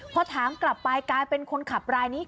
พอถามกลับไปกลายเป็นคนขับรายนี้